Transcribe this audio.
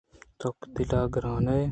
تو دل گرٛانئے